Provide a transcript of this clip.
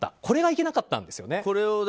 これがいけなかったんですよね。